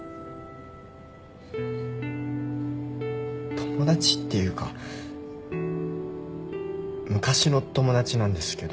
友達っていうか昔の友達なんですけど。